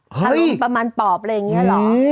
อารมณ์ประมาณปอบอะไรอย่างนี้หรอ